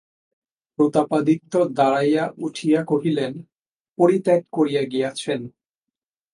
প্রতাপাদিত্য দাঁড়াইয়া উঠিয়া কহিলেন, পরিত্যাগ করিয়া গিয়াছেন!